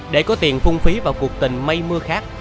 để có tiền phung phí vào cuộc tình mây mưa khác